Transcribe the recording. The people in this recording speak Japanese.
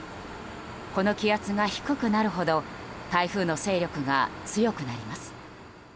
この気圧が低くなるほど台風の勢力が強くなります。